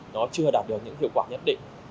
nó chưa đạt được những hiệu quả nhất định